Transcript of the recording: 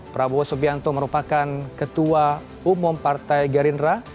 prabowo subianto merupakan ketua umum partai gerindra